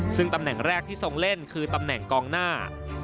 ซึ่งตำแหน่งแรกที่ทรงเล่นคือตำแหน่งกองหน้า